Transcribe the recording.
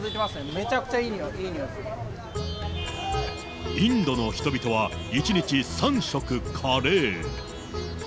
めちゃくちゃいいにおい、インドの人々は、１日３食カレー。